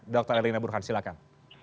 dokter erlina burkhan silahkan